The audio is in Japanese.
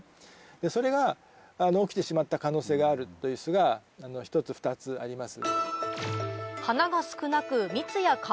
それが起きてしまった可能性があるという巣が１つ２つあります。